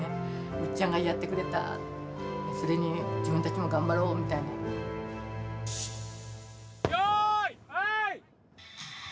ウッチャンがやってくれた、それに、自分たちも頑張ろうみたよーい、はい！